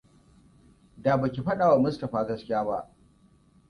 Da baki faɗawa wa Mustapha gaskiya ba.